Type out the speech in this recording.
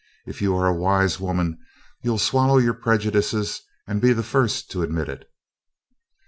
If you are a wise woman you'll swallow your prejudices and be the first to admit it."